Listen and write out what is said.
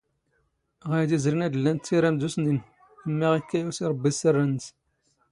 ⵖⴰⵢⴷ ⵉⵣⵔⵉⵏ ⴰⴷ ⵍⵍⴰⵏⵜ ⵜⵉⵔⴰⵎ ⴷⵓⵙⵏⵉⵏ ⵉⵎⵎⴰ ⵖⵉⴽⴽⴰ ⵢⵓⵙⵉ ⵕⴱⴱⵉ ⵙⵙⵔ ⵏⵏⵙ.